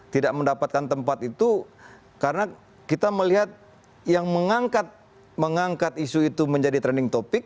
tidak mendapatkan tempat itu karena kita melihat yang mengangkat isu itu menjadi trending topic